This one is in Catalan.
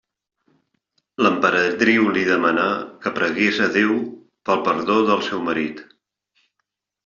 L'emperadriu li demanà que pregués a Déu pel perdó del seu marit.